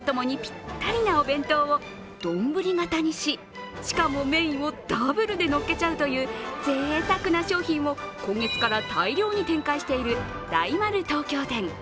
秋の行楽シーズン、旅のお供にぴったりなお弁当を丼型にし、しかもメインをダブルでのっけちゃうというぜいたくな商品を今月から大量に展開している大丸東京店。